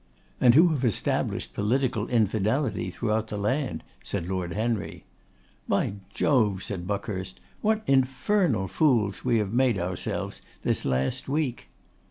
'And who have established political infidelity throughout the land,' said Lord Henry. 'By Jove!' said Buckhurst, 'what infernal fools we have made ourselves this last week!